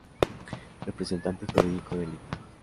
Representante Jurídico del Lic.